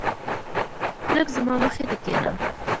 لږ زما مخی ته کينه